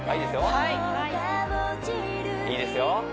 はいいいですよ